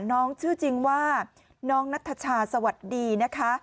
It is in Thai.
น้องชื่อจริงว่าน้องนัทชาสวัสดีนะคะ